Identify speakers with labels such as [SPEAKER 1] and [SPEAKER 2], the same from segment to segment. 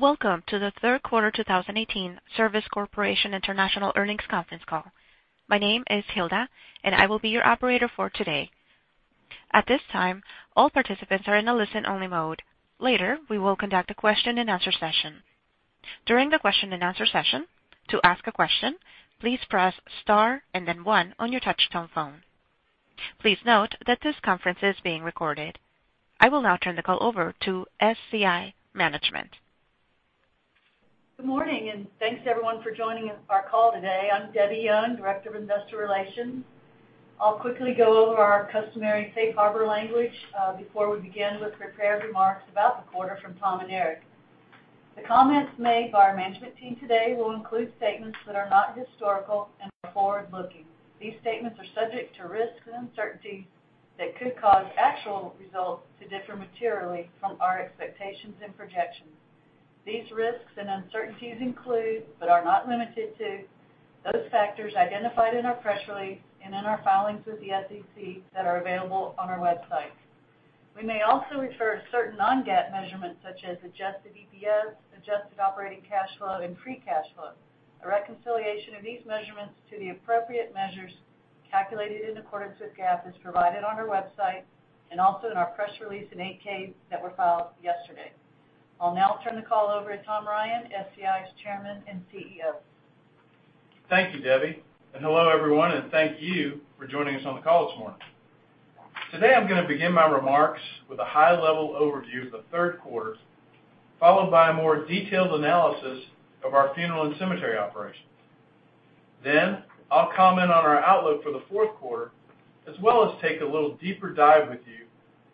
[SPEAKER 1] Welcome to the third quarter 2018 Service Corporation International earnings conference call. My name is Hilda, and I will be your operator for today. At this time, all participants are in a listen-only mode. Later, we will conduct a question-and-answer session. During the question-and-answer session, to ask a question, please press star and then one on your touch-tone phone. Please note that this conference is being recorded. I will now turn the call over to SCI Management.
[SPEAKER 2] Good morning. Thanks, everyone, for joining our call today. I'm Debbie Young, Director of Investor Relations. I'll quickly go over our customary safe harbor language before we begin with prepared remarks about the quarter from Tom and Eric. The comments made by our management team today will include statements that are not historical and are forward-looking. These statements are subject to risks and uncertainties that could cause actual results to differ materially from our expectations and projections. These risks and uncertainties include, but are not limited to, those factors identified in our press release and in our filings with the SEC that are available on our website. We may also refer to certain non-GAAP measurements such as adjusted EPS, adjusted operating cash flow and free cash flow. A reconciliation of these measurements to the appropriate measures calculated in accordance with GAAP is provided on our website and also in our press release in 8-K that were filed yesterday. I'll now turn the call over to Tom Ryan, SCI's Chairman and CEO.
[SPEAKER 3] Thank you, Debbie. Hello, everyone, and thank you for joining us on the call this morning. Today, I'm going to begin my remarks with a high-level overview of the third quarter, followed by a more detailed analysis of our funeral and cemetery operations. I'll comment on our outlook for the fourth quarter, as well as take a little deeper dive with you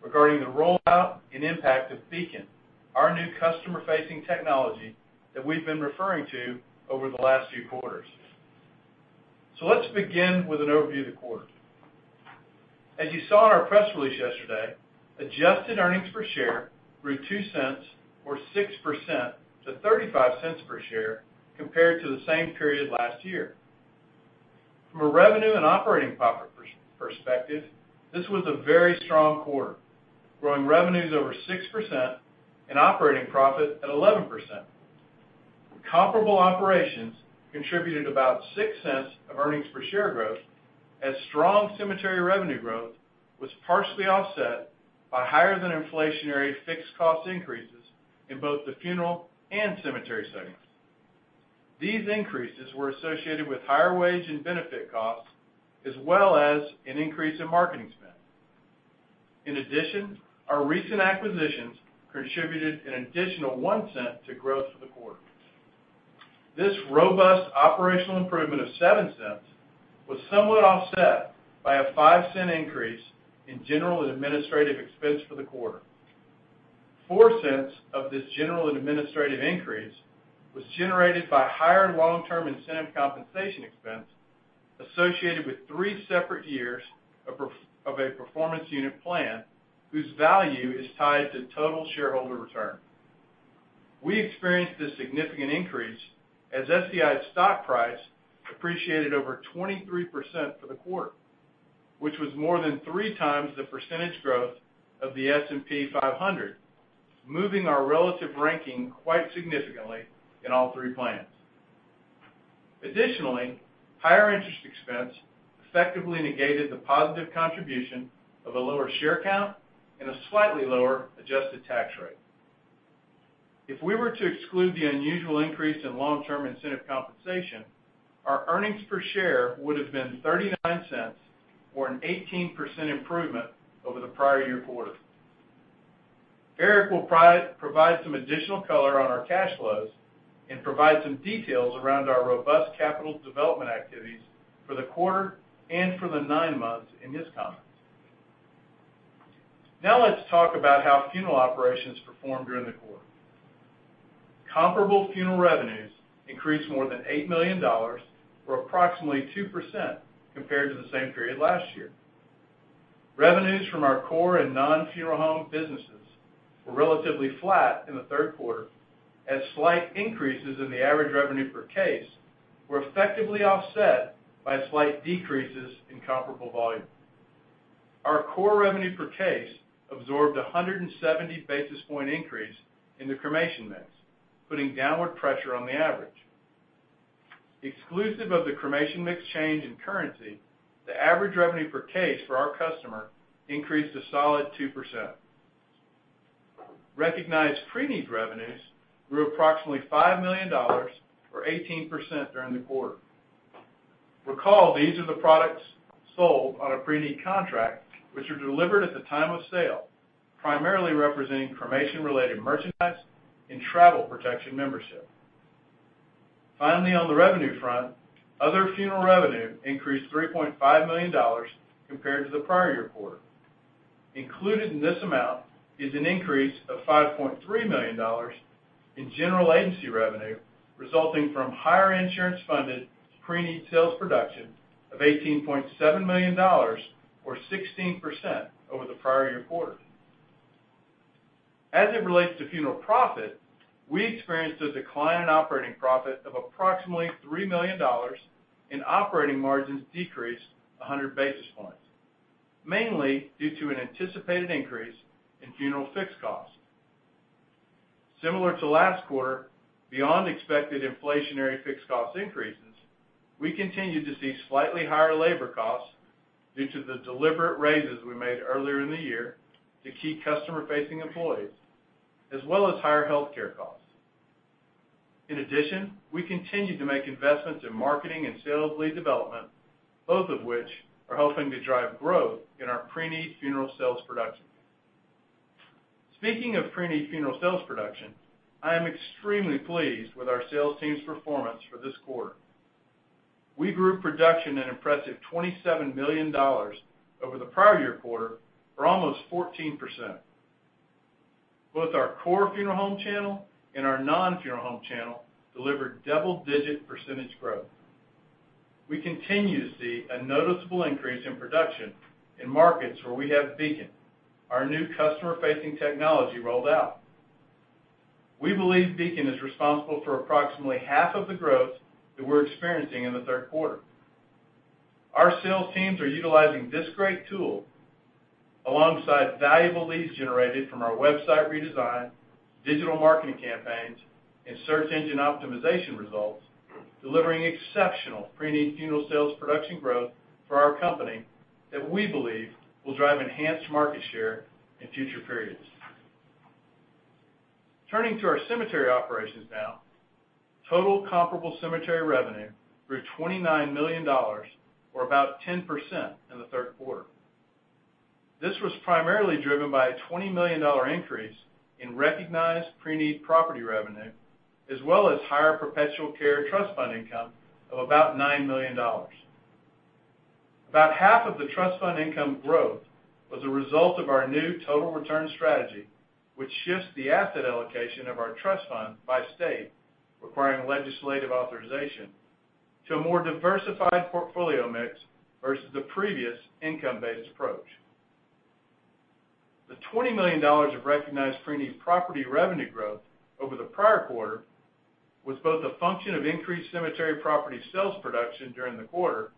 [SPEAKER 3] regarding the rollout and impact of Beacon, our new customer-facing technology that we've been referring to over the last few quarters. Let's begin with an overview of the quarter. As you saw in our press release yesterday, adjusted earnings per share grew $0.02 or 6% to $0.35 per share compared to the same period last year. From a revenue and operating profit perspective, this was a very strong quarter, growing revenues over 6% and operating profit at 11%. Comparable operations contributed about $0.06 of earnings per share growth as strong cemetery revenue growth was partially offset by higher-than-inflationary fixed cost increases in both the funeral and cemetery segments. These increases were associated with higher wage and benefit costs, as well as an increase in marketing spend. Our recent acquisitions contributed an additional $0.01 to growth for the quarter. This robust operational improvement of $0.07 was somewhat offset by a $0.05 increase in general and administrative expense for the quarter. $0.04 of this general and administrative increase was generated by higher long-term incentive compensation expense associated with three separate years of a performance unit plan whose value is tied to total shareholder return. We experienced this significant increase as SCI's stock price appreciated over 23% for the quarter, which was more than three times the percentage growth of the S&P 500, moving our relative ranking quite significantly in all three plans. Higher interest expense effectively negated the positive contribution of a lower share count and a slightly lower adjusted tax rate. If we were to exclude the unusual increase in long-term incentive compensation, our earnings per share would have been $0.39 or an 18% improvement over the prior year quarter. Eric will provide some additional color on our cash flows and provide some details around our robust capital development activities for the quarter and for the nine months in his comments. Let us talk about how funeral operations performed during the quarter. Comparable funeral revenues increased more than $8 million or approximately 2% compared to the same period last year. Revenues from our core and non-funeral home businesses were relatively flat in the third quarter as slight increases in the average revenue per case were effectively offset by slight decreases in comparable volume. Our core revenue per case absorbed 170 basis point increase in the cremation mix, putting downward pressure on the average. Exclusive of the cremation mix change in currency, the average revenue per case for our customer increased a solid 2%. Recognized preneed revenues grew approximately $5 million or 18% during the quarter. Recall, these are the products sold on a preneed contract which are delivered at the time of sale, primarily representing cremation-related merchandise and travel protection membership. On the revenue front, other funeral revenue increased $3.5 million compared to the prior year quarter. Included in this amount is an increase of $5.3 million in general agency revenue, resulting from higher insurance-funded preneed sales production of $18.7 million or 16% over the prior year quarter. As it relates to funeral profit, we experienced a decline in operating profit of approximately $3 million, and operating margins decreased 100 basis points. Mainly due to an anticipated increase in funeral fixed costs. Similar to last quarter, beyond expected inflationary fixed cost increases, we continued to see slightly higher labor costs due to the deliberate raises we made earlier in the year to keep customer-facing employees, as well as higher healthcare costs. We continued to make investments in marketing and sales lead development, both of which are helping to drive growth in our preneed funeral sales production. I am extremely pleased with our sales team's performance for this quarter. We grew production an impressive $27 million over the prior year quarter, or almost 14%. Both our core funeral home channel and our non-funeral home channel delivered double-digit percentage growth. We continue to see a noticeable increase in production in markets where we have Beacon, our new customer-facing technology, rolled out. We believe Beacon is responsible for approximately half of the growth that we're experiencing in the third quarter. Our sales teams are utilizing this great tool alongside valuable leads generated from our website redesign, digital marketing campaigns, and search engine optimization results, delivering exceptional preneed funeral sales production growth for our company that we believe will drive enhanced market share in future periods. Turning to our cemetery operations now. Total comparable cemetery revenue grew $29 million, or about 10%, in the third quarter. This was primarily driven by a $20 million increase in recognized preneed property revenue, as well as higher perpetual care trust fund income of about $9 million. About half of the trust fund income growth was a result of our new total return strategy, which shifts the asset allocation of our trust fund by state, requiring legislative authorization to a more diversified portfolio mix versus the previous income-based approach. The $20 million of recognized preneed property revenue growth over the prior quarter was both a function of increased cemetery property sales production during the quarter,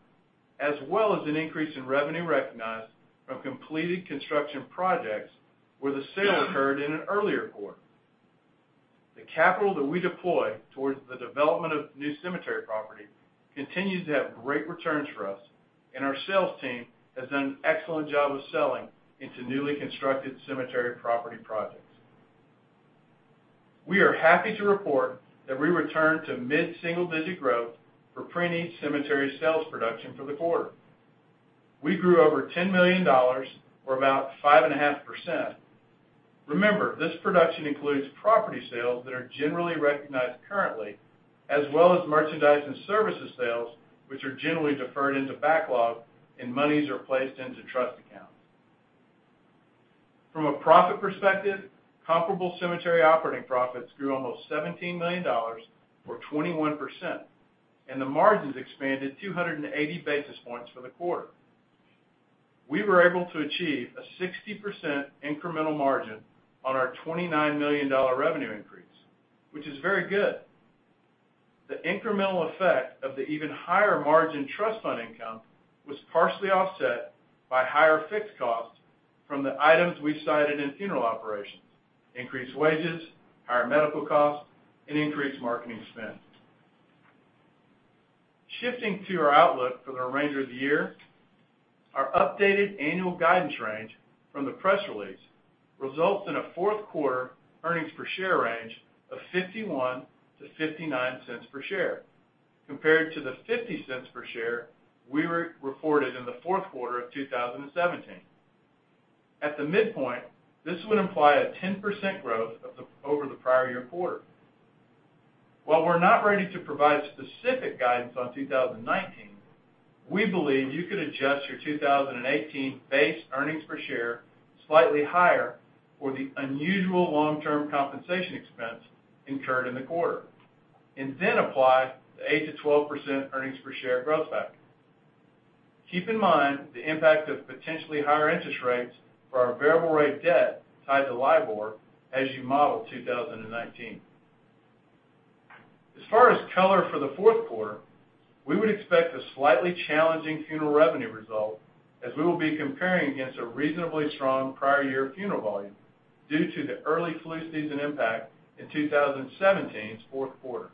[SPEAKER 3] as well as an increase in revenue recognized from completed construction projects where the sale occurred in an earlier quarter. The capital that we deploy towards the development of new cemetery property continues to have great returns for us, and our sales team has done an excellent job of selling into newly constructed cemetery property projects. We are happy to report that we returned to mid-single-digit growth for preneed cemetery sales production for the quarter. We grew over $10 million, or about 5.5%. Remember, this production includes property sales that are generally recognized currently, as well as merchandise and services sales, which are generally deferred into backlog and monies are placed into trust accounts. From a profit perspective, comparable cemetery operating profits grew almost $17 million, or 21%, and the margins expanded 280 basis points for the quarter. We were able to achieve a 60% incremental margin on our $29 million revenue increase, which is very good. The incremental effect of the even higher margin trust fund income was partially offset by higher fixed costs from the items we cited in funeral operations, increased wages, higher medical costs, and increased marketing spend. Shifting to our outlook for the remainder of the year. Our updated annual guidance range from the press release results in a fourth quarter earnings per share range of $0.51 to $0.59 per share, compared to the $0.50 per share we reported in the fourth quarter of 2017. At the midpoint, this would imply a 10% growth over the prior year quarter. While we're not ready to provide specific guidance on 2019, we believe you could adjust your 2018 base earnings per share slightly higher for the unusual long-term compensation expense incurred in the quarter, and then apply the 8% to 12% earnings per share growth factor. Keep in mind the impact of potentially higher interest rates for our variable rate debt tied to LIBOR as you model 2019. As far as color for the fourth quarter, we would expect a slightly challenging funeral revenue result as we will be comparing against a reasonably strong prior year funeral volume due to the early flu season impact in 2017's fourth quarter.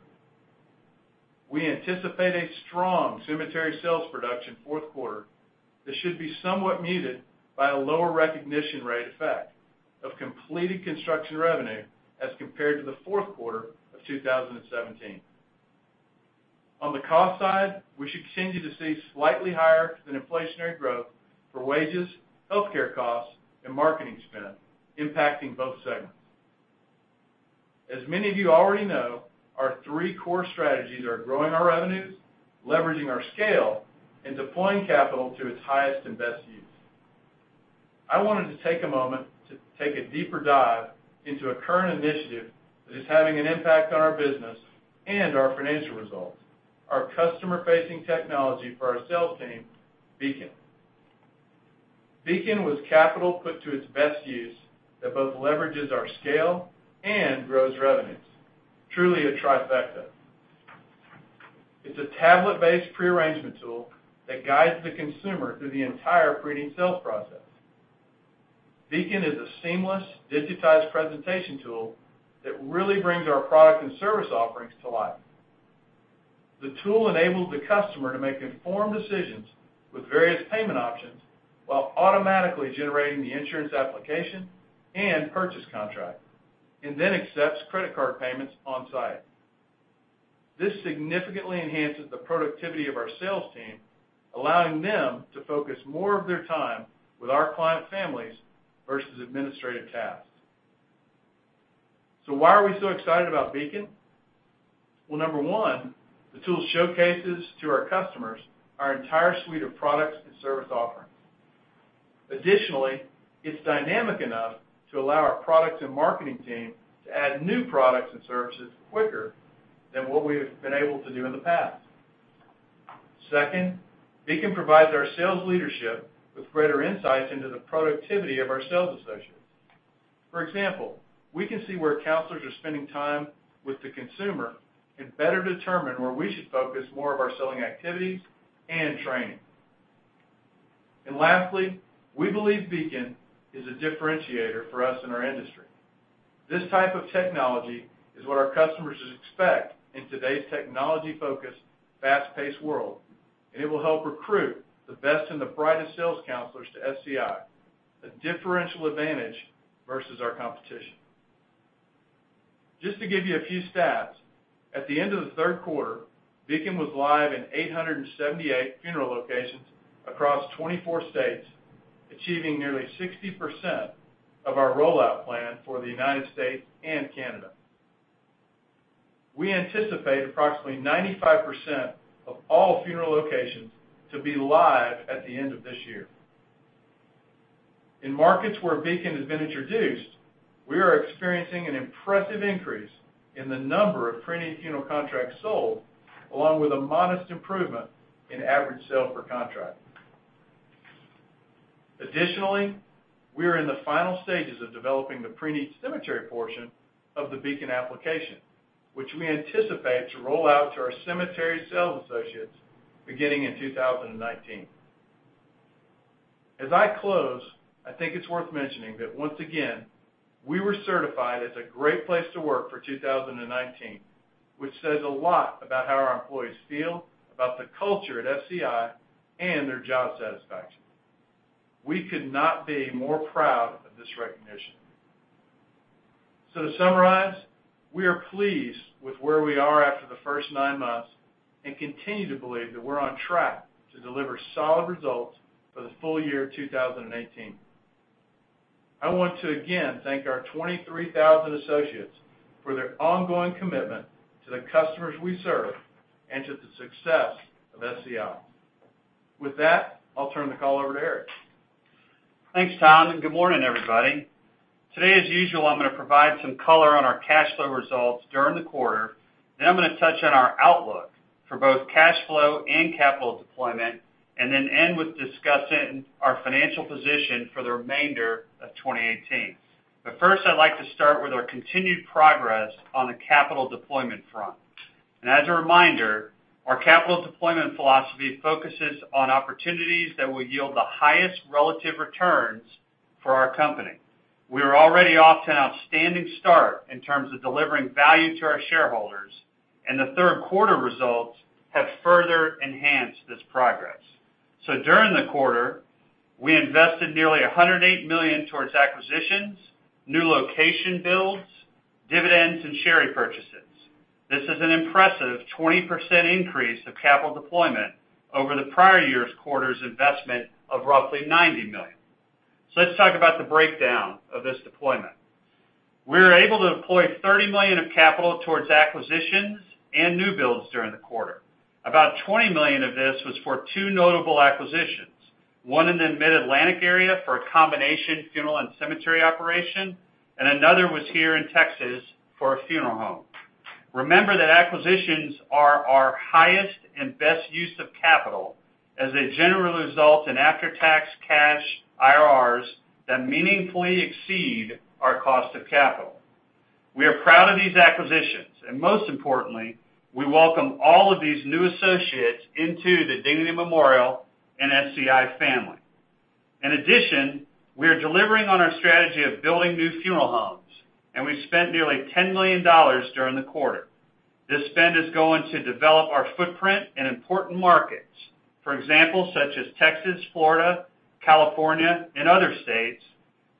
[SPEAKER 3] We anticipate a strong cemetery sales production fourth quarter that should be somewhat muted by a lower recognition rate effect of completed construction revenue as compared to the fourth quarter of 2017. On the cost side, we should continue to see slightly higher than inflationary growth for wages, healthcare costs, and marketing spend impacting both segments. As many of you already know, our three core strategies are growing our revenues, leveraging our scale, and deploying capital to its highest and best use. I wanted to take a moment to take a deeper dive into a current initiative that is having an impact on our business and our financial results, our customer-facing technology for our sales team, Beacon. Beacon was capital put to its best use that both leverages our scale and grows revenues. Truly a trifecta. It's a tablet-based pre-arrangement tool that guides the consumer through the entire pre-need sales process. Beacon is a seamless, digitized presentation tool that really brings our product and service offerings to life. The tool enables the customer to make informed decisions with various payment options while automatically generating the insurance application and purchase contract, and then accepts credit card payments on-site. This significantly enhances the productivity of our sales team, allowing them to focus more of their time with our client families versus administrative tasks. Why are we so excited about Beacon? Well, number 1, the tool showcases to our customers our entire suite of products and service offerings. Additionally, it's dynamic enough to allow our product and marketing team to add new products and services quicker than what we've been able to do in the past. Beacon provides our sales leadership with greater insights into the productivity of our sales associates. For example, we can see where counselors are spending time with the consumer and better determine where we should focus more of our selling activities and training. Lastly, we believe Beacon is a differentiator for us in our industry. This type of technology is what our customers expect in today's technology-focused, fast-paced world, and it will help recruit the best and the brightest sales counselors to SCI, a differential advantage versus our competition. Just to give you a few stats, at the end of the third quarter, Beacon was live in 878 funeral locations across 24 states, achieving nearly 60% of our rollout plan for the U.S. and Canada. We anticipate approximately 95% of all funeral locations to be live at the end of this year. In markets where Beacon has been introduced, we are experiencing an impressive increase in the number of pre-need funeral contracts sold, along with a modest improvement in average sale per contract. Additionally, we are in the final stages of developing the pre-need cemetery portion of the Beacon application, which we anticipate to roll out to our cemetery sales associates beginning in 2019. As I close, I think it's worth mentioning that once again, we were certified as a great place to work for 2019, which says a lot about how our employees feel about the culture at SCI and their job satisfaction. We could not be more proud of this recognition. To summarize, we are pleased with where we are after the first nine months and continue to believe that we're on track to deliver solid results for the full year 2018. I want to again thank our 23,000 associates for their ongoing commitment to the customers we serve and to the success of SCI. With that, I'll turn the call over to Eric.
[SPEAKER 4] Thanks, Tom, and good morning, everybody. Today, as usual, I'm going to provide some color on our cash flow results during the quarter. I'm going to touch on our outlook for both cash flow and capital deployment, and end with discussing our financial position for the remainder of 2018. First, I'd like to start with our continued progress on the capital deployment front. As a reminder, our capital deployment philosophy focuses on opportunities that will yield the highest relative returns for our company. We are already off to an outstanding start in terms of delivering value to our shareholders, and the third quarter results have further enhanced this progress. During the quarter, we invested nearly $108 million towards acquisitions, new location builds, dividends, and share repurchases. This is an impressive 20% increase of capital deployment over the prior year's quarter's investment of roughly $90 million. Let's talk about the breakdown of this deployment. We were able to deploy $30 million of capital towards acquisitions and new builds during the quarter. About $20 million of this was for two notable acquisitions, one in the mid-Atlantic area for a combination funeral and cemetery operation, and another was here in Texas for a funeral home. Remember that acquisitions are our highest and best use of capital as they generally result in after-tax cash IRRs that meaningfully exceed our cost of capital. We are proud of these acquisitions, and most importantly, we welcome all of these new associates into the Dignity Memorial and SCI family. In addition, we are delivering on our strategy of building new funeral homes, and we spent nearly $10 million during the quarter. This spend is going to develop our footprint in important markets. For example, such as Texas, Florida, California, and other states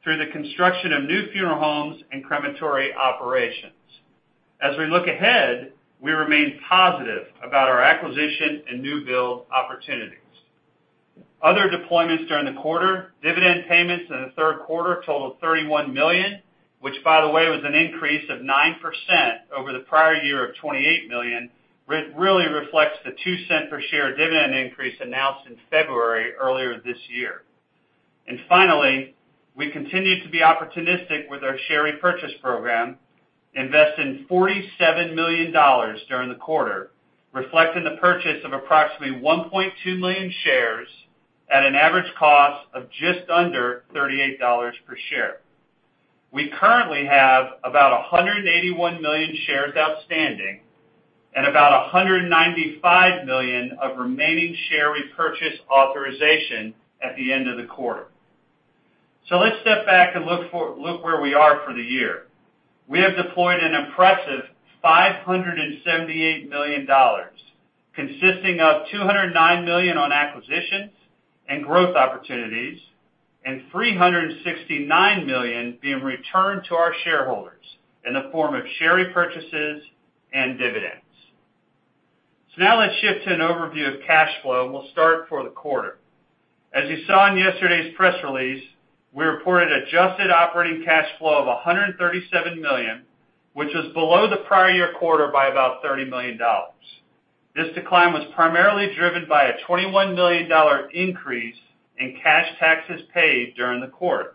[SPEAKER 4] through the construction of new funeral homes and crematory operations. As we look ahead, we remain positive about our acquisition and new build opportunities. Other deployments during the quarter, dividend payments in the third quarter totaled $31 million, which, by the way, was an increase of 9% over the prior year of $28 million. Really reflects the $0.02 per share dividend increase announced in February earlier this year. Finally, we continue to be opportunistic with our share repurchase program, investing $47 million during the quarter, reflecting the purchase of approximately 1.2 million shares at an average cost of just under $38 per share. We currently have about 181 million shares outstanding and about 195 million of remaining share repurchase authorization at the end of the quarter. Let's step back and look where we are for the year. We have deployed an impressive $578 million, consisting of $209 million on acquisitions and growth opportunities, and $369 million being returned to our shareholders in the form of share repurchases and dividends. Now let's shift to an overview of cash flow, and we'll start for the quarter. As you saw in yesterday's press release, we reported adjusted operating cash flow of $137 million, which was below the prior year quarter by about $30 million. This decline was primarily driven by a $21 million increase in cash taxes paid during the quarter.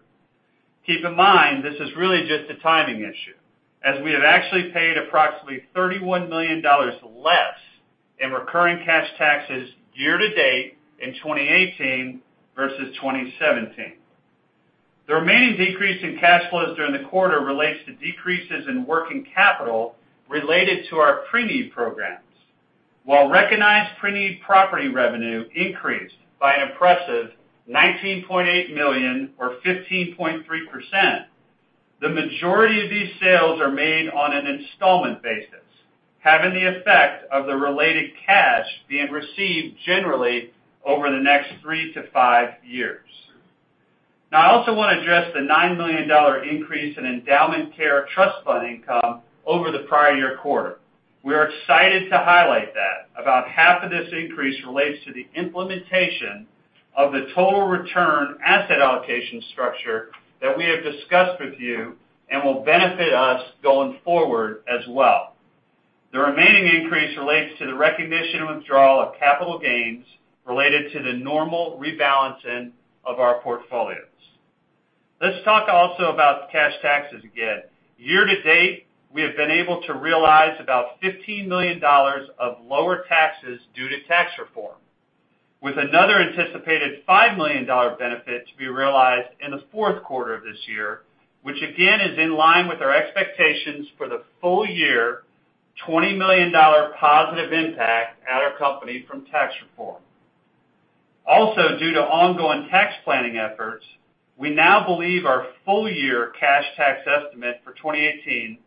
[SPEAKER 4] Keep in mind, this is really just a timing issue, as we have actually paid approximately $31 million less in recurring cash taxes year to date in 2018 versus 2017. The remaining decrease in cash flows during the quarter relates to decreases in working capital related to our preneed programs. While recognized preneed property revenue increased by an impressive $19.8 million or 15.3%, the majority of these sales are made on an installment basis, having the effect of the related cash being received generally over the next three to five years. Now I also want to address the $9 million increase in endowment care trust fund income over the prior year quarter. We are excited to highlight that. About half of this increase relates to the implementation of the total return asset allocation structure that we have discussed with you and will benefit us going forward as well. The remaining increase relates to the recognition and withdrawal of capital gains related to the normal rebalancing of our portfolios. Let's talk also about cash taxes again. Year to date, we have been able to realize about $15 million of lower taxes due to tax reform, with another anticipated $5 million benefit to be realized in the fourth quarter of this year, which again, is in line with our expectations for the full year $20 million positive impact at our company from tax reform. Also, due to ongoing tax planning efforts, we now believe our full year cash tax estimate for 2018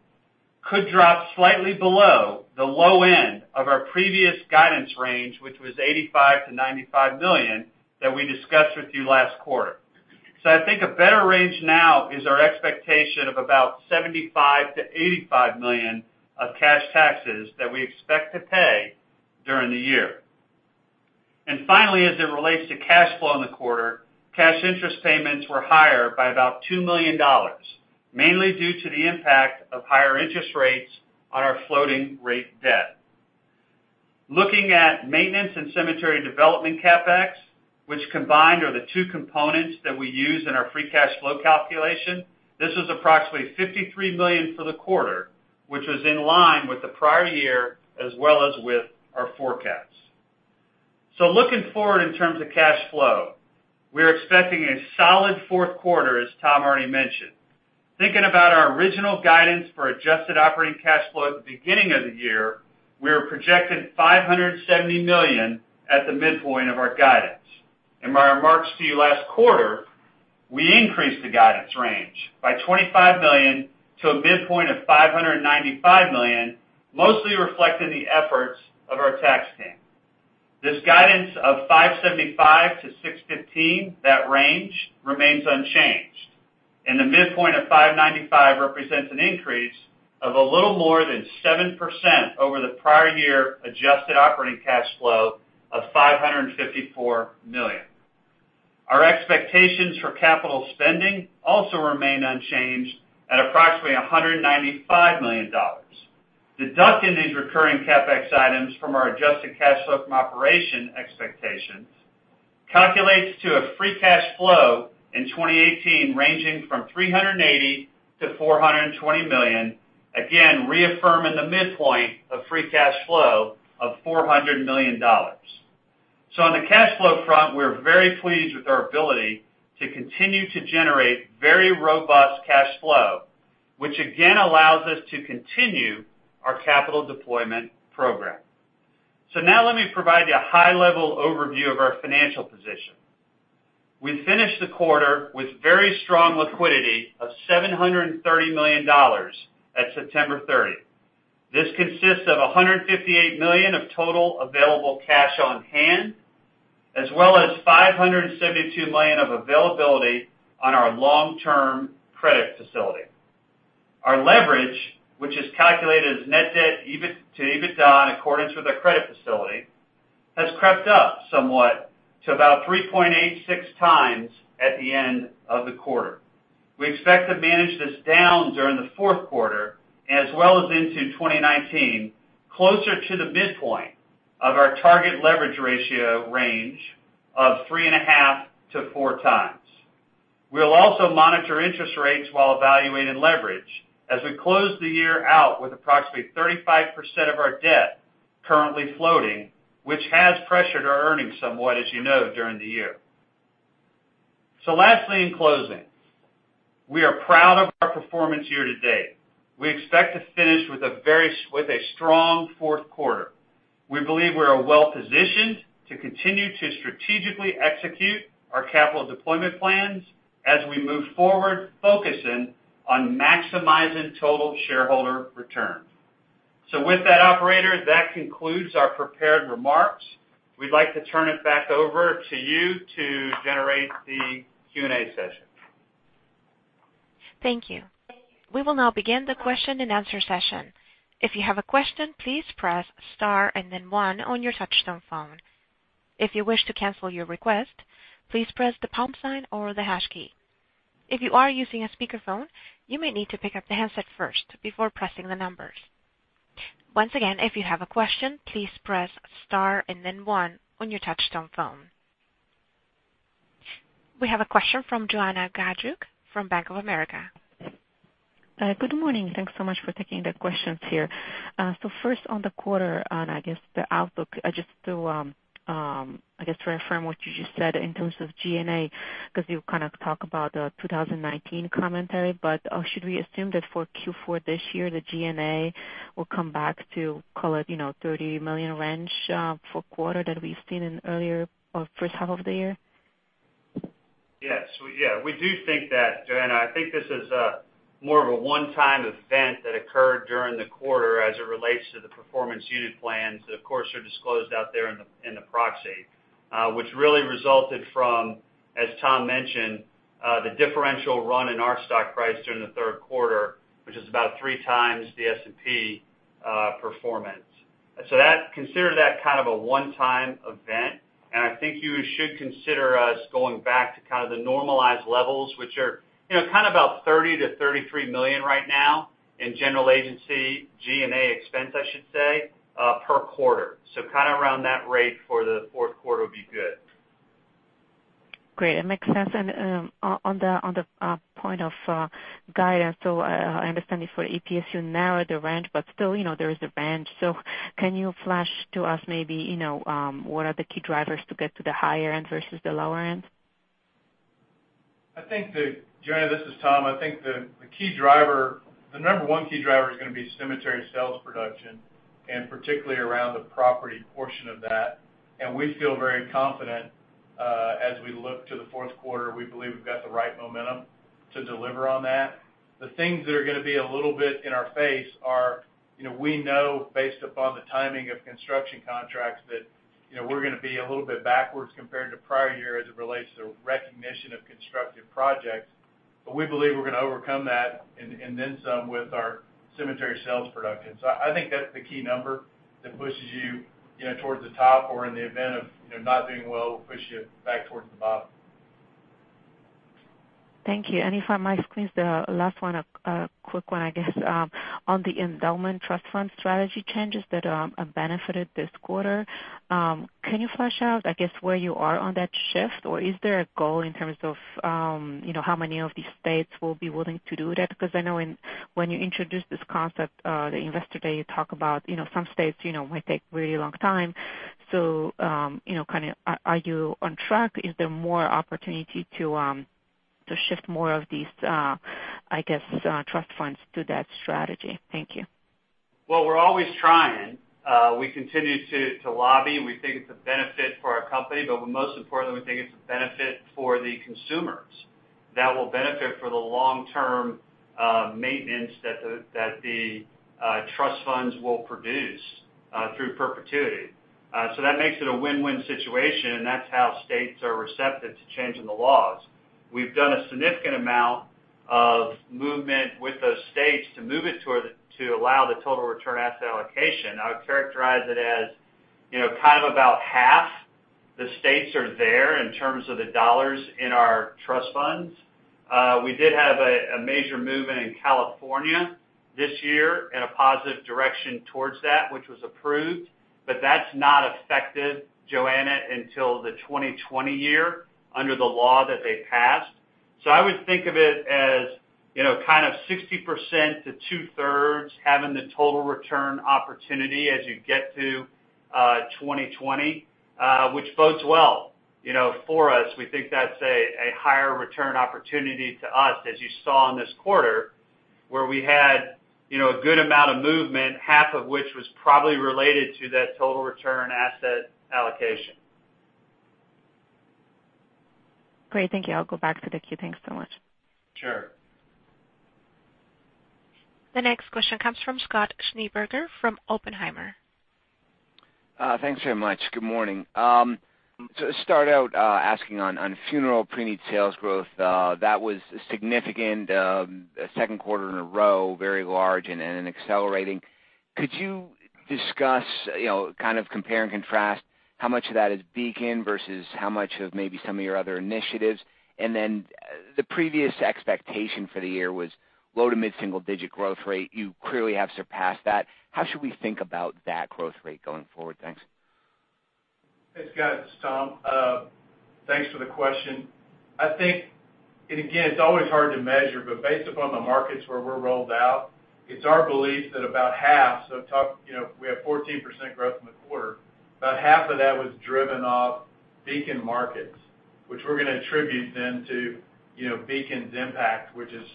[SPEAKER 4] could drop slightly below the low end of our previous guidance range, which was $85 million-$95 million, that we discussed with you last quarter. I think a better range now is our expectation of about $75 million-$85 million of cash taxes that we expect to pay during the year. Finally, as it relates to cash flow in the quarter, cash interest payments were higher by about $2 million, mainly due to the impact of higher interest rates on our floating rate debt. Looking at maintenance and cemetery development CapEx, which combined are the two components that we use in our free cash flow calculation, this was approximately $153 million for the quarter, which was in line with the prior year as well as with our forecast. Looking forward in terms of cash flow, we're expecting a solid fourth quarter, as Tom already mentioned. Thinking about our original guidance for adjusted operating cash flow at the beginning of the year, we are projecting $570 million at the midpoint of our guidance. In my remarks to you last quarter, we increased the guidance range by $25 million to a midpoint of $595 million, mostly reflecting the efforts of our tax team. This guidance of $575 million to $615 million, that range, remains unchanged, and the midpoint of $595 million represents an increase of a little more than 7% over the prior year adjusted operating cash flow of $554 million. Our expectations for capital spending also remain unchanged at approximately $195 million. Deducting these recurring CapEx items from our adjusted cash flow from operation expectations calculates to a free cash flow in 2018 ranging from $380 million to $420 million, again, reaffirming the midpoint of free cash flow of $400 million. On the cash flow front, we're very pleased with our ability to continue to generate very robust cash flow, which again allows us to continue our capital deployment program. Now let me provide you a high-level overview of our financial position. We finished the quarter with very strong liquidity of $730 million at September 30th. This consists of $158 million of total available cash on hand, as well as $572 million of availability on our long-term credit facility. Our leverage, which is calculated as net debt to EBITDA in accordance with our credit facility, has crept up somewhat to about 3.86 times at the end of the quarter. We expect to manage this down during the fourth quarter as well as into 2019, closer to the midpoint of our target leverage ratio range of three and a half to four times. We'll also monitor interest rates while evaluating leverage as we close the year out with approximately 35% of our debt Currently floating, which has pressured our earnings somewhat, as you know, during the year. Lastly, in closing, we are proud of our performance year to date. We expect to finish with a strong fourth quarter. We believe we are well-positioned to continue to strategically execute our capital deployment plans as we move forward, focusing on maximizing total shareholder return. With that operator, that concludes our prepared remarks. We'd like to turn it back over to you to generate the Q&A session.
[SPEAKER 1] Thank you. We will now begin the question and answer session. If you have a question, please press star and then one on your touchtone phone. If you wish to cancel your request, please press the pound sign or the hash key. If you are using a speakerphone, you may need to pick up the handset first before pressing the numbers. Once again, if you have a question, please press star and then one on your touchtone phone. We have a question from Joanna Gajuk from Bank of America.
[SPEAKER 5] Good morning. Thanks so much for taking the questions here. First on the quarter, on, I guess, the outlook, just to affirm what you just said in terms of G&A, because you kind of talk about the 2019 commentary, but should we assume that for Q4 this year, the G&A will come back to, call it, a $30 million range for quarter that we've seen in first half of the year?
[SPEAKER 4] Yes. We do think that, Joanna. I think this is more of a one-time event that occurred during the quarter as it relates to the performance unit plans that, of course, are disclosed out there in the proxy, which really resulted from, as Tom mentioned, the differential run in our stock price during the third quarter, which is about three times the S&P performance. Consider that kind of a one-time event, and I think you should consider us going back to kind of the normalized levels, which are kind of about $30 million to $33 million right now in G&A expense, I should say, per quarter. Kind of around that rate for the fourth quarter would be good.
[SPEAKER 5] Great. That makes sense. On the point of guidance, I understand if for EPS, you narrowed the range, but still, there is a range. Can you flash to us maybe, what are the key drivers to get to the higher end versus the lower end?
[SPEAKER 3] Joanna, this is Tom. I think the number one key driver is going to be cemetery sales production, and particularly around the property portion of that. We feel very confident as we look to the fourth quarter. We believe we've got the right momentum to deliver on that. The things that are going to be a little bit in our face are, we know based upon the timing of construction contracts that we're going to be a little bit backwards compared to prior year as it relates to recognition of construction projects. We believe we're going to overcome that and then some with our cemetery sales production. I think that's the key number that pushes you towards the top or in the event of not doing well, will push you back towards the bottom.
[SPEAKER 5] Thank you. If I might squeeze the last one, a quick one, I guess, on the endowment trust fund strategy changes that benefited this quarter. Can you flesh out, I guess, where you are on that shift? Is there a goal in terms of how many of these states will be willing to do that? I know when you introduced this concept, the Investor Day, you talk about some states might take really long time. Are you on track? Is there more opportunity to shift more of these, I guess, trust funds to that strategy? Thank you.
[SPEAKER 3] Well, we're always trying. We continue to lobby. We think it's a benefit for our company, but most importantly, we think it's a benefit for the consumers that will benefit for the long-term maintenance that the trust funds will produce through perpetuity. That makes it a win-win situation, and that's how states are receptive to changing the laws. We've done a significant amount of movement with those states to move it to allow the total return asset allocation. I would characterize it as kind of about half the states are there in terms of the dollars in our trust funds. We did have a major movement in California this year in a positive direction towards that, which was approved, but that's not effective, Joanna, until the 2020 year under the law that they passed. I would think of it as kind of 60% to two-thirds having the total return opportunity as you get to 2020, which bodes well for us. We think that's a higher return opportunity to us as you saw in this quarter, where we had a good amount of movement, half of which was probably related to that total return asset allocation.
[SPEAKER 5] Great. Thank you. I'll go back to the queue. Thanks so much.
[SPEAKER 3] Sure.
[SPEAKER 1] The next question comes from Scott Schneeberger from Oppenheimer.
[SPEAKER 6] Thanks very much. Good morning. To start out asking on funeral preneed sales growth. That was significant second quarter in a row, very large and then accelerating. Could you discuss, kind of compare and contrast how much of that is Beacon versus how much of maybe some of your other initiatives? The previous expectation for the year was low to mid-single digit growth rate. You clearly have surpassed that. How should we think about that growth rate going forward? Thanks.
[SPEAKER 3] Hey, Scott, it's Tom. Thanks for the question. I think, and again, it's always hard to measure, but based upon the markets where we're rolled out, it's our belief that about half, so we have 14% growth in the quarter, about half of that was driven off Beacon markets, which we're going to attribute then to Beacon's impact, which is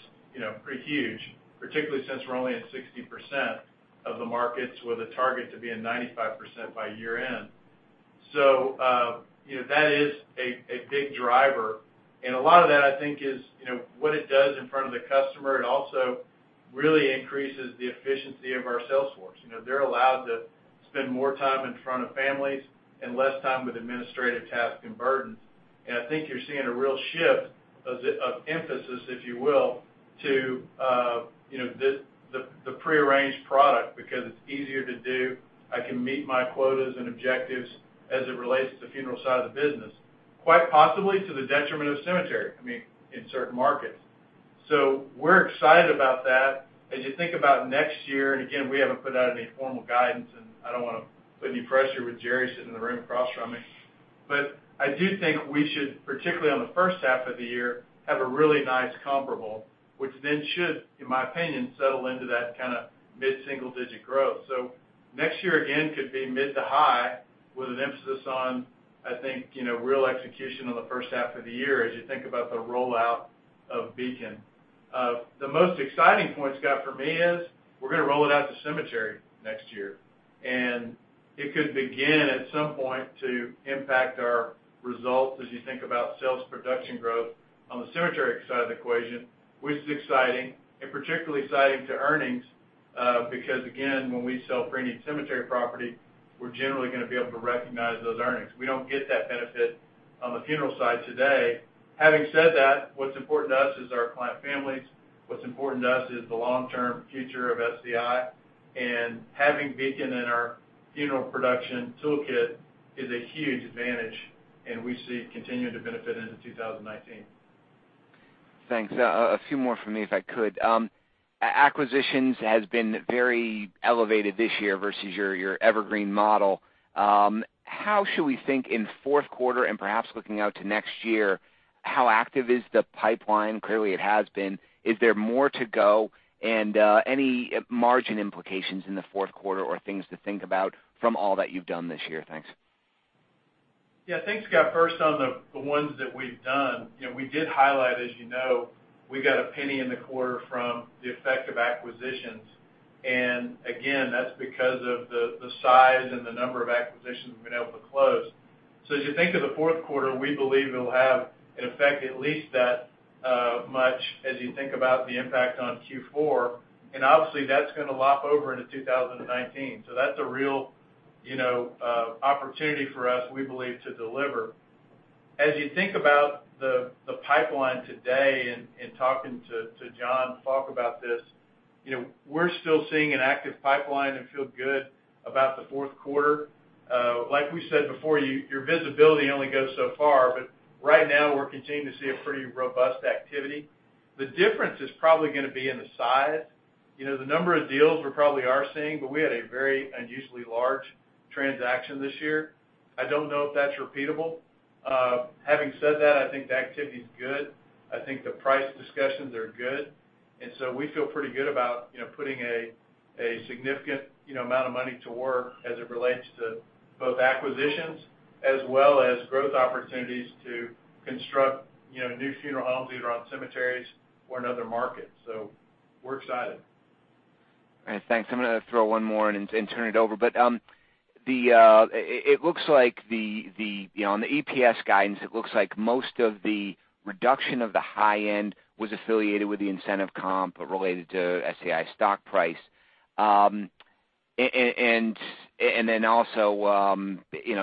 [SPEAKER 3] pretty huge, particularly since we're only at 60% of the markets with a target to be in 95% by year-end. That is a big driver, and a lot of that, I think is, what it does in front of the customer, it also really increases the efficiency of our sales force. They're allowed to spend more time in front of families and less time with administrative tasks and burdens. I think you're seeing a real shift of emphasis, if you will, to the prearranged product because it's easier to do. I can meet my quotas and objectives as it relates to the funeral side of the business, quite possibly to the detriment of cemetery, I mean, in certain markets. We're excited about that. As you think about next year, and again, we haven't put out any formal guidance, and I don't want to put any pressure with Jerry sitting in the room across from me. I do think we should, particularly on the first half of the year, have a really nice comparable, which then should, in my opinion, settle into that kind of mid-single digit growth. Next year, again, could be mid to high with an emphasis on, I think, real execution on the first half of the year as you think about the rollout of Beacon. The most exciting point, Scott, for me is we're going to roll it out to cemetery next year, and it could begin at some point to impact our results as you think about sales production growth on the cemetery side of the equation, which is exciting and particularly exciting to earnings, because again, when we sell preneed cemetery property, we're generally going to be able to recognize those earnings. We don't get that benefit on the funeral side today. Having said that, what's important to us is our client families. What's important to us is the long-term future of SCI, and having Beacon in our funeral production toolkit is a huge advantage, and we see it continuing to benefit into 2019.
[SPEAKER 6] Thanks. A few more from me, if I could. Acquisitions has been very elevated this year versus your evergreen model. How should we think in fourth quarter and perhaps looking out to next year? How active is the pipeline? Clearly, it has been. Is there more to go? Any margin implications in the fourth quarter or things to think about from all that you've done this year? Thanks.
[SPEAKER 3] Yeah. Thanks, Scott. First, on the ones that we've done, we did highlight, as you know, we got $0.01 in the quarter from the effect of acquisitions. Again, that's because of the size and the number of acquisitions we've been able to close. As you think of the fourth quarter, we believe it'll have an effect at least that much as you think about the impact on Q4, and obviously that's going to lop over into 2019. That's a real opportunity for us, we believe, to deliver. As you think about the pipeline today, and talking to John Faulk about this, we're still seeing an active pipeline and feel good about the fourth quarter. Like we said before, your visibility only goes so far, but right now we're continuing to see a pretty robust activity. The difference is probably going to be in the size. The number of deals we probably are seeing, but we had a very unusually large transaction this year. I don't know if that's repeatable. Having said that, I think the activity's good. I think the price discussions are good. We feel pretty good about putting a significant amount of money to work as it relates to both acquisitions as well as growth opportunities to construct new funeral homes, either on cemeteries or in other markets. We're excited.
[SPEAKER 6] All right. Thanks. I'm going to throw one more in and turn it over. On the EPS guidance, it looks like most of the reduction of the high end was affiliated with the incentive comp, but related to SCI stock price.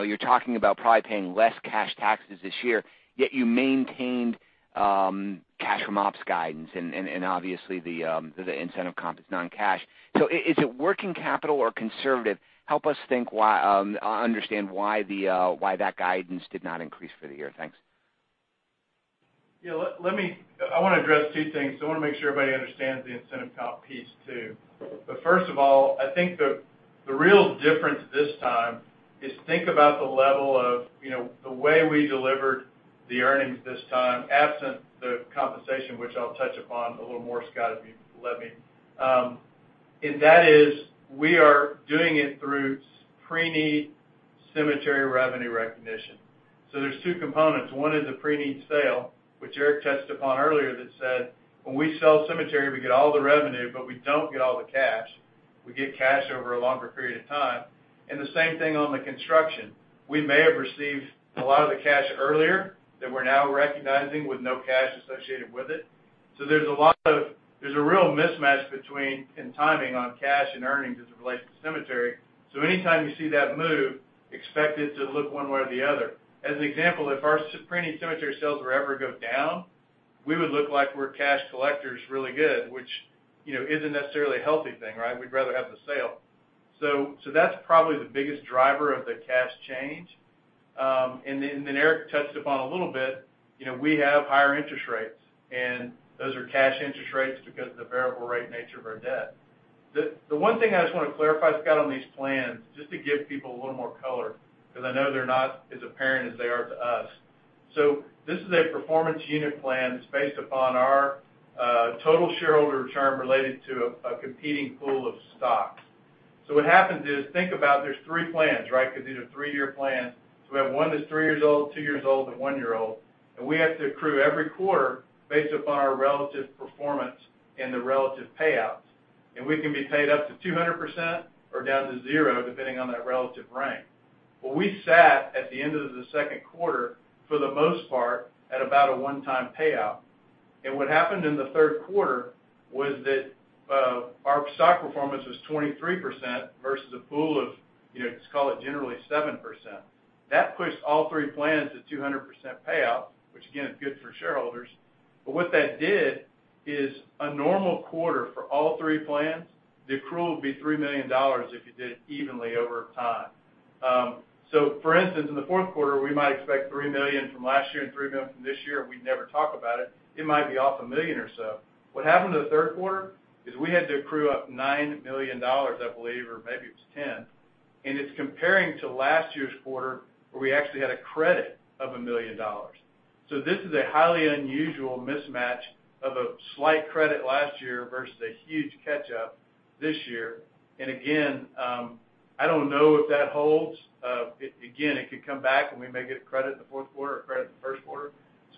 [SPEAKER 6] You're talking about probably paying less cash taxes this year, yet you maintained cash from ops guidance and obviously the incentive comp is non-cash. Is it working capital or conservative? Help us understand why that guidance did not increase for the year. Thanks.
[SPEAKER 3] Yeah. I want to address two things. I want to make sure everybody understands the incentive comp piece, too. First of all, I think the real difference this time is think about the level of the way we delivered the earnings this time, absent the compensation, which I'll touch upon a little more, Scott, if you let me. We are doing it through preneed cemetery revenue recognition. There's two components. One is the preneed sale, which Eric touched upon earlier that said when we sell cemetery, we get all the revenue, but we don't get all the cash. We get cash over a longer period of time. The same thing on the construction. We may have received a lot of the cash earlier that we're now recognizing with no cash associated with it. There's a real mismatch between in timing on cash and earnings as it relates to cemetery. Anytime you see that move, expect it to look one way or the other. As an example, if our preneed cemetery sales were ever go down, we would look like we're cash collectors really good, which isn't necessarily a healthy thing, right? We'd rather have the sale. That's probably the biggest driver of the cash change. Eric touched upon a little bit, we have higher interest rates, and those are cash interest rates because of the variable rate nature of our debt. The one thing I just want to clarify, Scott, on these plans, just to give people a little more color, because I know they're not as apparent as they are to us. This is a performance unit plan that's based upon our total shareholder return related to a competing pool of stocks. What happens is, think about there's three plans, right? Because these are three-year plans. We have one that's three years old, two years old, and one-year-old. We have to accrue every quarter based upon our relative performance and the relative payouts. We can be paid up to 200% or down to zero, depending on that relative rank. We sat at the end of the second quarter, for the most part, at about a one-time payout. What happened in the third quarter was that our stock performance was 23% versus a pool of, let's call it generally 7%. That pushed all three plans to 200% payout, which again, is good for shareholders. What that did is a normal quarter for all three plans, the accrual would be $3 million if you did it evenly over time. For instance, in the fourth quarter, we might expect $3 million from last year and $3 million from this year, and we'd never talk about it. It might be off $1 million or so. What happened to the third quarter is we had to accrue up $9 million, I believe, or maybe it was $10. It's comparing to last year's quarter, where we actually had a credit of $1 million. This is a highly unusual mismatch of a slight credit last year versus a huge catch-up this year. Again, I don't know if that holds. Again, it could come back, and we may get a credit in the fourth quarter or a credit in the first quarter.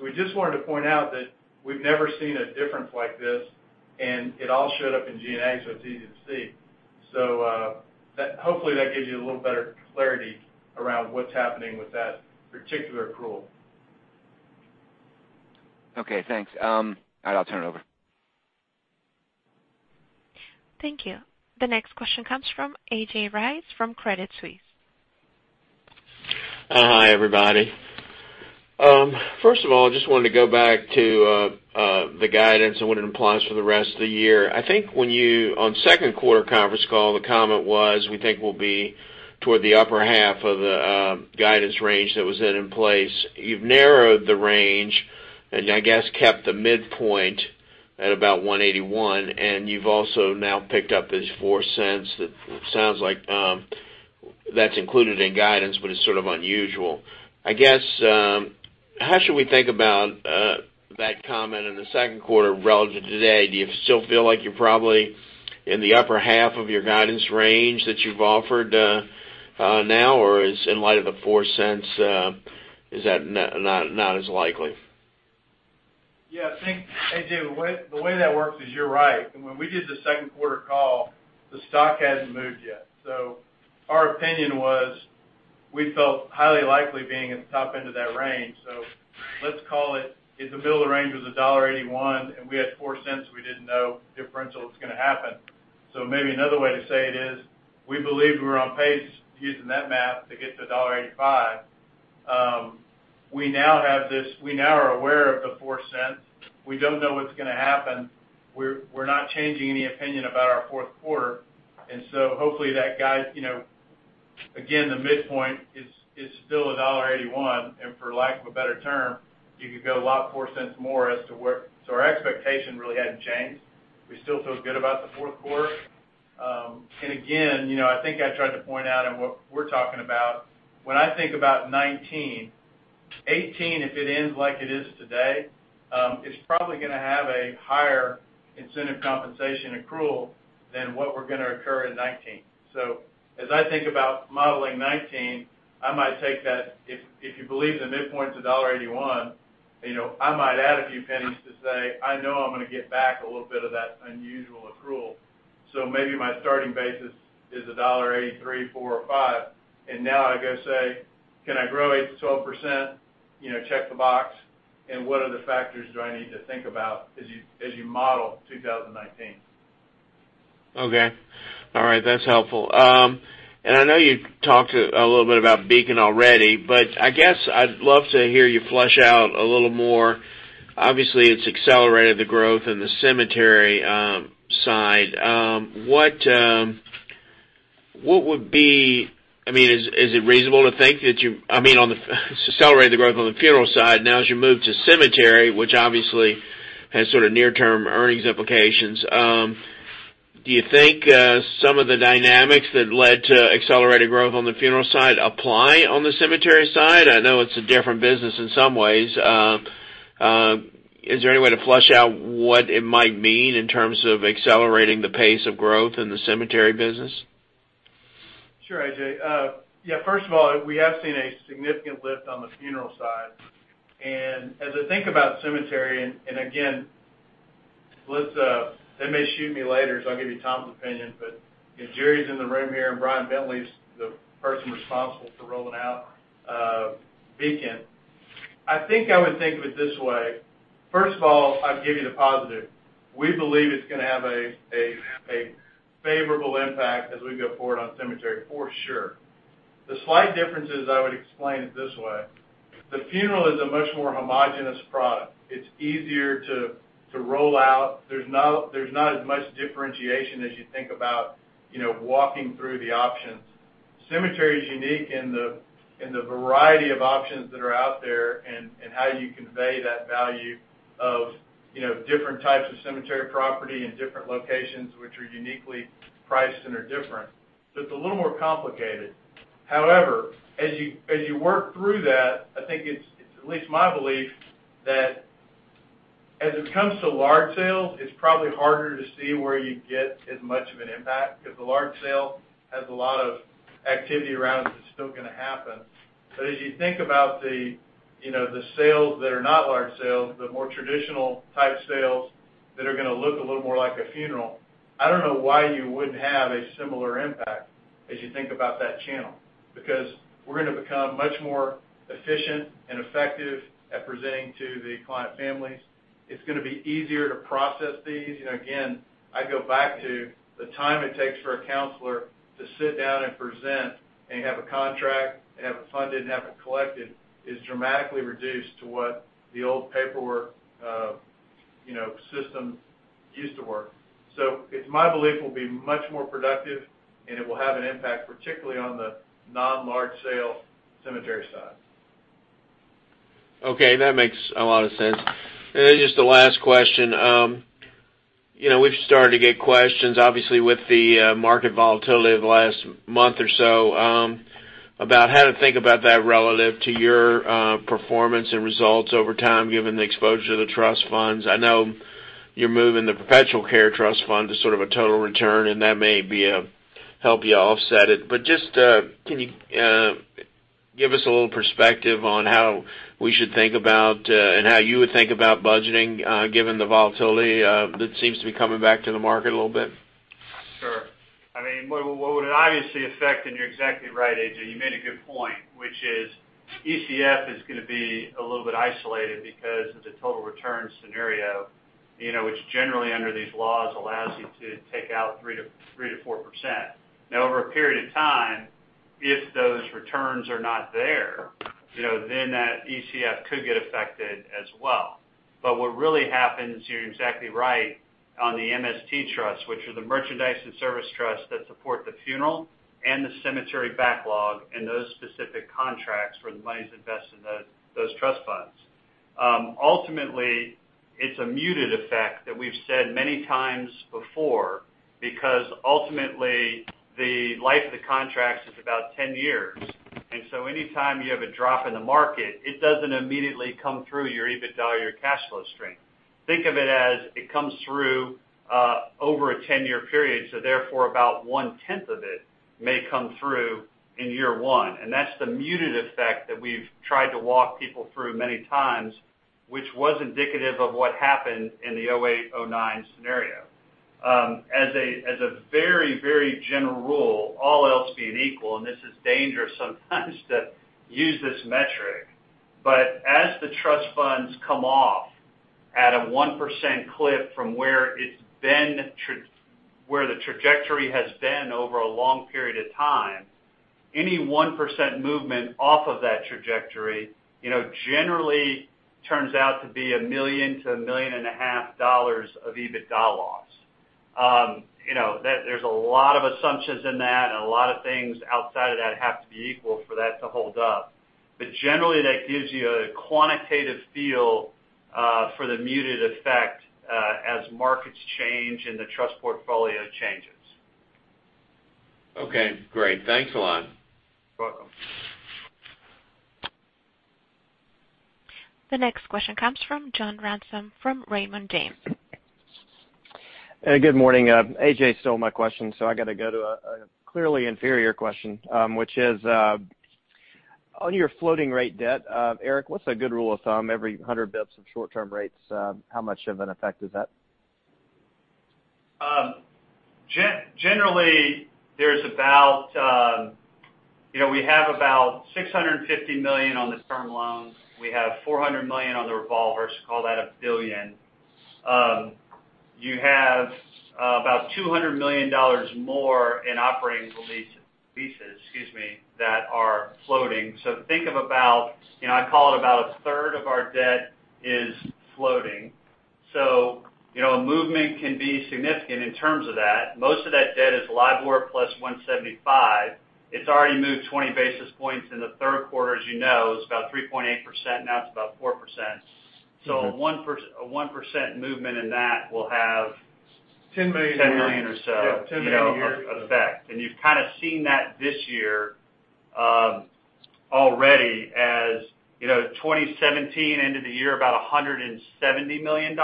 [SPEAKER 3] We just wanted to point out that we've never seen a difference like this, and it all showed up in G&A, it's easy to see. Hopefully that gives you a little better clarity around what's happening with that particular accrual.
[SPEAKER 6] Okay, thanks. All right, I'll turn it over.
[SPEAKER 1] Thank you. The next question comes from A.J. Rice from Credit Suisse.
[SPEAKER 7] Hi, everybody. First of all, I just wanted to go back to the guidance and what it implies for the rest of the year. I think when you, on second quarter conference call, the comment was, we think we'll be toward the upper half of the guidance range that was set in place. You've narrowed the range and I guess kept the midpoint at about $1.81. You've also now picked up this $0.04. It sounds like that's included in guidance, but it's sort of unusual. I guess, how should we think about that comment in the second quarter relative to today? Do you still feel like you're probably in the upper half of your guidance range that you've offered now, or in light of the $0.04, is that not as likely?
[SPEAKER 3] Yeah, I think, A.J., the way that works is you're right. When we did the second quarter call, the stock hadn't moved yet. Our opinion was we felt highly likely being at the top end of that range. Let's call it, if the middle of the range was $1.81, and we had $0.04, we didn't know differential was going to happen. Maybe another way to say it is, we believe we're on pace using that math to get to $1.85. We now are aware of the $0.04. We don't know what's going to happen. We're not changing any opinion about our fourth quarter, hopefully that guides. Again, the midpoint is still $1.81, and for lack of a better term, you could go a lot $0.04 more as to where. Our expectation really hadn't changed. We still feel good about the fourth quarter. Again, I think I tried to point out in what we're talking about, when I think about 2019, 2018, if it ends like it is today, is probably gonna have a higher incentive compensation accrual than what we're gonna occur in 2019. As I think about modeling 2019, I might take that, if you believe the midpoint's $1.81, I might add a few pennies to say, I know I'm gonna get back a little bit of that unusual accrual. Maybe my starting basis is $1.83, $4, or $5. Now I go say, can I grow 8%-12%? Check the box, and what other factors do I need to think about as you model 2019?
[SPEAKER 7] Okay. All right. That's helpful. I know you talked a little bit about Beacon already, but I guess I'd love to hear you flesh out a little more. Obviously, it's accelerated the growth in the cemetery side. Is it reasonable to think that you accelerated the growth on the funeral side? Now, as you move to cemetery, which obviously has near-term earnings implications, do you think some of the dynamics that led to accelerated growth on the funeral side apply on the cemetery side? I know it's a different business in some ways. Is there any way to flesh out what it might mean in terms of accelerating the pace of growth in the cemetery business?
[SPEAKER 3] Sure, A.J. First of all, we have seen a significant lift on the funeral side. As I think about cemetery, and again, they may shoot me later, so I'll give you Tom's opinion, but Jerry's in the room here, and Brian Bentley's the person responsible for rolling out Beacon. I think I would think of it this way. First of all, I'll give you the positive. We believe it's gonna have a favorable impact as we go forward on cemetery, for sure. The slight difference is I would explain it this way. The funeral is a much more homogenous product. It's easier to roll out. There's not as much differentiation as you think about Walking through the options. Cemetery is unique in the variety of options that are out there, and how you convey that value of different types of cemetery property in different locations, which are uniquely priced and are different. It's a little more complicated. However, as you work through that, I think it's at least my belief that as it comes to large sales, it's probably harder to see where you get as much of an impact, because the large sale has a lot of activity around it that's still going to happen. As you think about the sales that are not large sales, the more traditional type sales that are going to look a little more like a funeral, I don't know why you wouldn't have a similar impact as you think about that channel, because we're going to become much more efficient and effective at presenting to the client families. It's going to be easier to process these. Again, I go back to the time it takes for a counselor to sit down and present and have a contract, and have it funded, and have it collected, is dramatically reduced to what the old paperwork system used to work. It's my belief it will be much more productive and it will have an impact, particularly on the non-large sale cemetery side.
[SPEAKER 7] Okay. That makes a lot of sense. Just the last question. We've started to get questions, obviously, with the market volatility over the last month or so, about how to think about that relative to your performance and results over time, given the exposure to the trust funds. I know you're moving the perpetual care trust fund to sort of a total return, that may help you offset it. Just, can you give us a little perspective on how we should think about, and how you would think about budgeting, given the volatility that seems to be coming back to the market a little bit?
[SPEAKER 3] Sure. What would it obviously affect, you're exactly right, A.J., you made a good point, which is ECF is going to be a little bit isolated because it's a total return scenario, which generally under these laws allows you to take out 3%-4%. Over a period of time, if those returns are not there, that ECF could get affected as well. What really happens, you're exactly right on the MST trust, which are the merchandise and service trust that support the funeral and the cemetery backlog, and those specific contracts where the money's invested in those trust funds. Ultimately, it's a muted effect that we've said many times before, because ultimately the life of the contracts is about 10 years. Any time you have a drop in the market, it doesn't immediately come through your EBITDA or your cash flow stream. Think of it as, it comes through over a 10-year period, therefore about one tenth of it may come through in year one. That's the muted effect that we've tried to walk people through many times, which was indicative of what happened in the 2008, 2009 scenario. As a very general rule, all else being equal, this is dangerous sometimes to use this metric. As the trust funds come off at a 1% clip from where the trajectory has been over a long period of time, any 1% movement off of that trajectory, generally turns out to be $1 million to $1.5 million of EBITDA loss. There's a lot of assumptions in that, a lot of things outside of that have to be equal for that to hold up. Generally, that gives you a quantitative feel for the muted effect as markets change and the trust portfolio changes.
[SPEAKER 7] Okay, great. Thanks a lot.
[SPEAKER 3] You're welcome.
[SPEAKER 1] The next question comes from John Ransom from Raymond James.
[SPEAKER 8] Hey, good morning. A.J. stole my question, so I got to go to a clearly inferior question, which is, on your floating rate debt, Eric, what's a good rule of thumb? Every 100 basis points of short-term rates, how much of an effect is that?
[SPEAKER 4] Generally, we have about $650 million on the term loans. We have $400 million on the revolvers. Call that a billion. You have about $200 million more in operating leases that are floating. Think of about, I'd call it about a third of our debt is floating. A movement can be significant in terms of that. Most of that debt is LIBOR plus 175. It's already moved 20 basis points in the third quarter. As you know, it was about 3.8%, now it's about 4%. A 1% movement in that will have-
[SPEAKER 8] $10 million a year $10 million or so- Yeah, $10 million a year
[SPEAKER 4] of effect. You've kind of seen that this year already as 2017 ended the year about $170 million.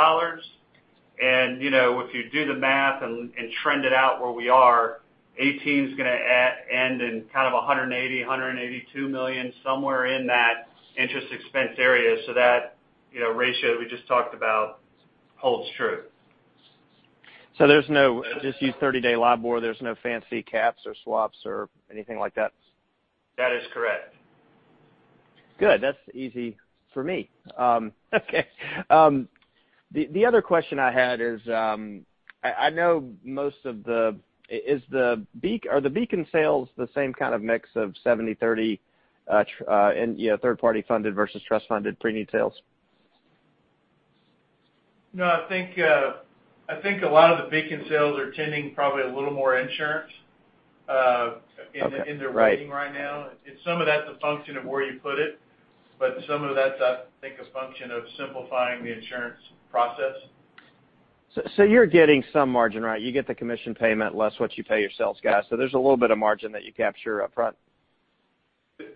[SPEAKER 4] If you do the math and trend it out where we are, 2018 is going to end in kind of $180 million, $182 million, somewhere in that interest expense area. That ratio we just talked about holds true.
[SPEAKER 8] There's no just use 30-day LIBOR, there's no fancy caps or swaps or anything like that?
[SPEAKER 4] That is correct.
[SPEAKER 8] Good. That's easy for me. Okay. The other question I had is, are the Beacon sales the same kind of mix of 70/30, third party funded versus trust funded preneed sales?
[SPEAKER 3] No, I think a lot of the Beacon sales are tending probably a little more insurance in their weighting right now. Some of that's a function of where you put it, but some of that's, I think, a function of simplifying the insurance process.
[SPEAKER 8] You're getting some margin, right? You get the commission payment less what you pay your sales guys. There's a little bit of margin that you capture up front.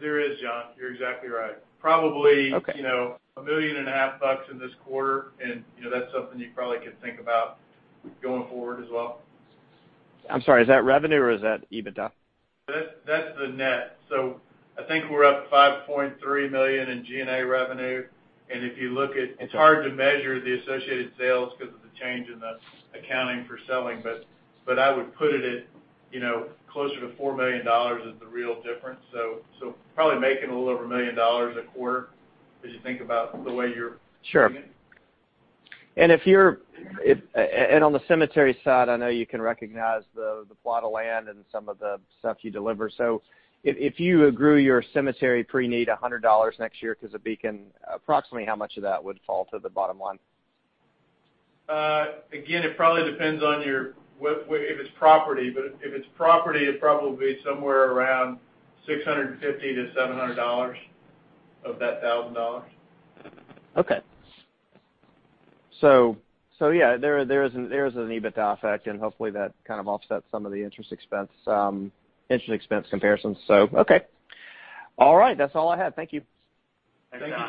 [SPEAKER 3] There is, John. You're exactly right. Probably.
[SPEAKER 8] Okay
[SPEAKER 3] a million and a half bucks in this quarter, and that's something you probably could think about going forward as well.
[SPEAKER 8] I'm sorry, is that revenue or is that EBITDA?
[SPEAKER 3] That's the net. I think we're up $5.3 million in G&A revenue. It's hard to measure the associated sales because of the change in the accounting for selling, but I would put it at closer to $4 million is the real difference. Probably making a little over $1 million a quarter as you think about the way you're doing it.
[SPEAKER 8] Sure. On the cemetery side, I know you can recognize the plot of land and some of the stuff you deliver. If you grew your cemetery pre-need $100 next year because of Beacon, approximately how much of that would fall to the bottom line?
[SPEAKER 3] Again, it probably depends on if it's property, but if it's property, it'd probably be somewhere around $650-$700 of that $1,000.
[SPEAKER 8] Okay. Yeah, there is an EBITDA effect, and hopefully, that kind of offsets some of the interest expense comparisons. Okay. All right. That's all I had. Thank you.
[SPEAKER 3] Thank you, John.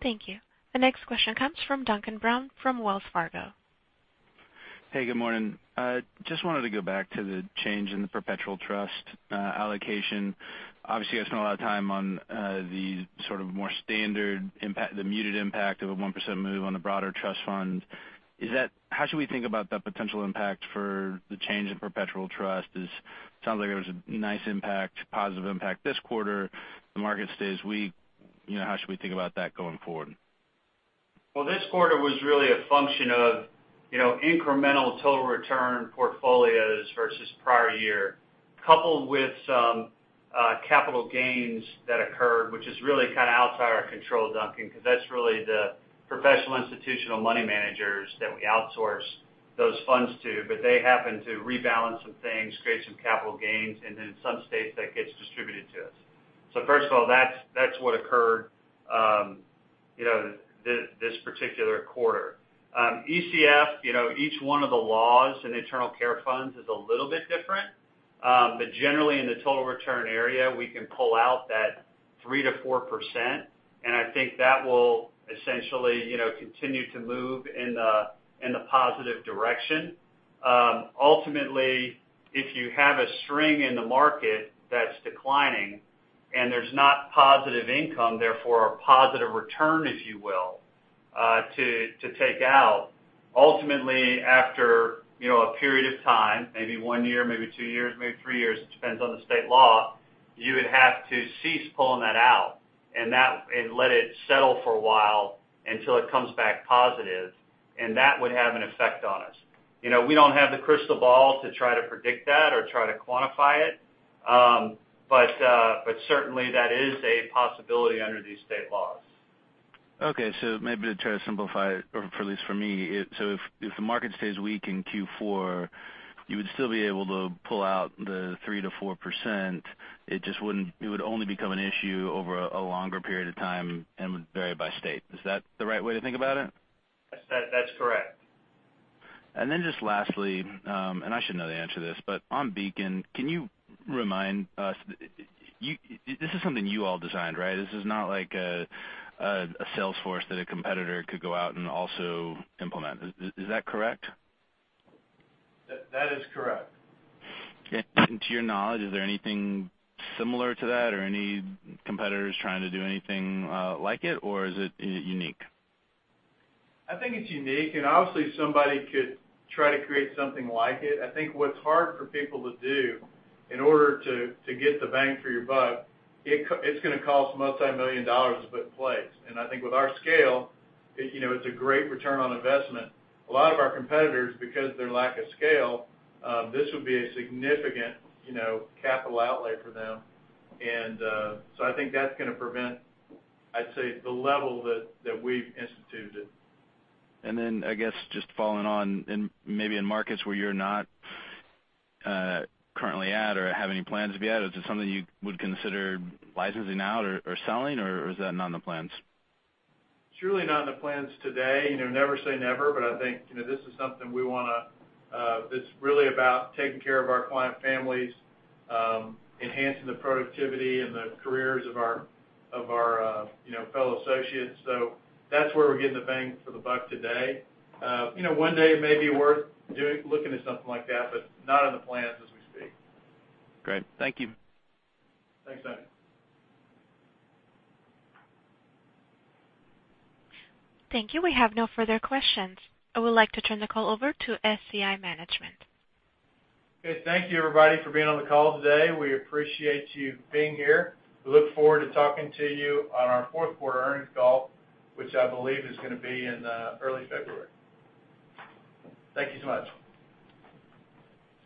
[SPEAKER 8] Thank you.
[SPEAKER 1] Thank you. The next question comes from Duncan Brown from Wells Fargo.
[SPEAKER 9] Hey, good morning. Just wanted to go back to the change in the perpetual trust allocation. Obviously, I spent a lot of time on the sort of more standard, the muted impact of a 1% move on the broader trust fund. How should we think about that potential impact for the change in perpetual trust? It sounds like it was a nice impact, positive impact this quarter. The market stays weak, how should we think about that going forward?
[SPEAKER 3] Well, this quarter was really a function of incremental total return portfolios versus prior year, coupled with some capital gains that occurred, which is really kind of outside our control, Duncan, because that's really the professional institutional money managers that we outsource those funds to. They happen to rebalance some things, create some capital gains, and then in some states, that gets distributed to us. First of all, that's what occurred this particular quarter. ECF, each one of the laws in endowment care funds is a little bit different. Generally, in the total return area, we can pull out that 3% to 4%, and I think that will essentially continue to move in the positive direction. Ultimately, if you have a string in the market that's declining and there's not positive income, therefore a positive return, if you will, to take out, ultimately after a period of time, maybe one year, maybe two years, maybe three years, it depends on the state law, you would have to cease pulling that out and let it settle for a while until it comes back positive, and that would have an effect on us. We don't have the crystal ball to try to predict that or try to quantify it. Certainly, that is a possibility under these state laws.
[SPEAKER 9] Okay. Maybe to try to simplify it, or at least for me, if the market stays weak in Q4, you would still be able to pull out the 3% to 4%. It would only become an issue over a longer period of time and would vary by state. Is that the right way to think about it?
[SPEAKER 3] That's correct.
[SPEAKER 9] Then just lastly, and I should know the answer to this, but on Beacon, can you remind us, this is something you all designed, right? This is not like a sales force that a competitor could go out and also implement. Is that correct?
[SPEAKER 3] That is correct.
[SPEAKER 9] Okay. To your knowledge, is there anything similar to that or any competitors trying to do anything like it, or is it unique?
[SPEAKER 3] I think it's unique, and obviously, somebody could try to create something like it. I think what's hard for people to do in order to get the bang for your buck, it's going to cost multimillion dollars to put in place. I think with our scale, it's a great return on investment. A lot of our competitors, because their lack of scale, this would be a significant capital outlay for them. I think that's going to prevent, I'd say, the level that we've instituted.
[SPEAKER 9] I guess, just following on, and maybe in markets where you're not currently at or have any plans to be at, is it something you would consider licensing out or selling, or is that not in the plans?
[SPEAKER 3] It's really not in the plans today. Never say never, but I think this is something. It's really about taking care of our client families, enhancing the productivity and the careers of our fellow associates. That's where we're getting the bang for the buck today. One day, it may be worth looking at something like that, but not in the plans as we speak.
[SPEAKER 9] Great. Thank you.
[SPEAKER 3] Thanks, Duncan.
[SPEAKER 1] Thank you. We have no further questions. I would like to turn the call over to SCI management.
[SPEAKER 3] Okay. Thank you, everybody, for being on the call today. We appreciate you being here. We look forward to talking to you on our fourth quarter earnings call, which I believe is going to be in early February. Thank you so much.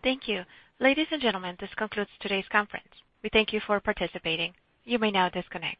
[SPEAKER 1] Thank you. Ladies and gentlemen, this concludes today's conference. We thank you for participating. You may now disconnect.